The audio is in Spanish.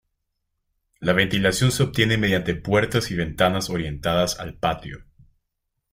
La ventilación se obtiene mediante puertas y ventanas orientadas al patio.